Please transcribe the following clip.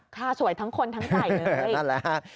ค่ะสวยทั้งคนทั้งไก่เลย